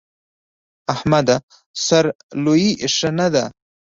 احمده! سر لويي ښه نه ده.